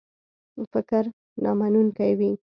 فکر نامنونکی وي.